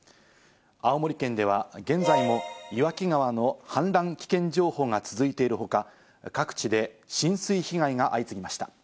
青森県では現在も岩木川の氾濫危険情報が続いているほか、各地で浸水被害が相次ぎました。